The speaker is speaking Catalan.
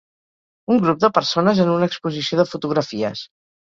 Un grup de persones en una exposició de fotografies